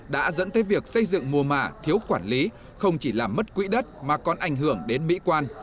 đã dẫn tới việc xây dựng mùa mà thiếu quản lý không chỉ làm mất quỹ đất mà còn ảnh hưởng đến mỹ quan